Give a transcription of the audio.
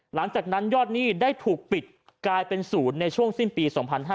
หลังจากนั้นยอดนี้ได้ถูกปิดกลายเป็นศูนย์ในช่วงสิ้นปี๒๕๖๓